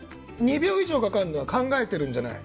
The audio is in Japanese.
２秒以上かかるのは考えているんじゃない。